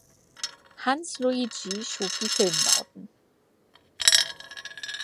Hans Luigi schuf die Filmbauten.